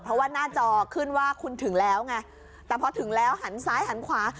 เพราะว่าหน้าจอขึ้นว่าคุณถึงแล้วไงแต่พอถึงแล้วหันซ้ายหันขวา